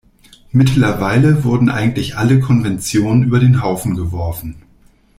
Mittlerweile wurden eigentlich alle Konventionen über den Haufen geworfen.